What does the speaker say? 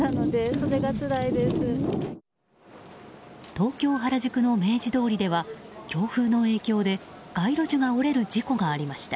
東京・原宿の明治通りでは強風の影響で街路樹が折れる事故がありました。